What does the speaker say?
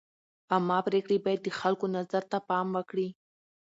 عامه پرېکړې باید د خلکو نظر ته پام وکړي.